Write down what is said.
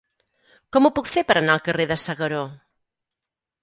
Com ho puc fer per anar al carrer de S'Agaró?